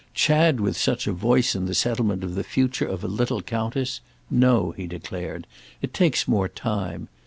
Chad with such a voice in the settlement of the future of a little countess—no," he declared, "it takes more time!